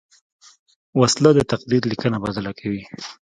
وسله د تقدیر لیکنه بدله کوي